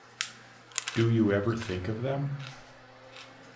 Do you ever think of them?